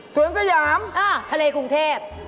สวนสยามทะเลกรุงเทพ